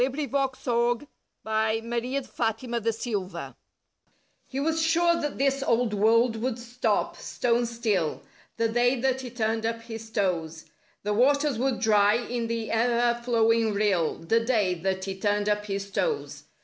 THE DAY THAT HE TURNED UP HIS TOES He was sure that this old world would stop—stone still— The day that he turned up his toes. The waters would dry in the e'er flowing rill— The day that he turned up his toes.